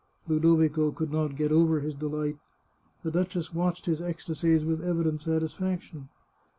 Ludovico could not get over his delight. The duchess watched his ecstasies with evident satisfaction.